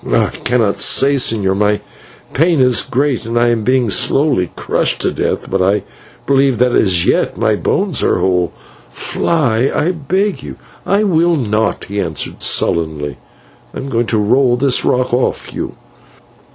"I cannot say, señor, my pain is great, and I am being slowly crushed to death; but I believe that as yet my bones are whole. Fly, I beg of you." "I will not," he answered sullenly, "I am going to roll this rock off you."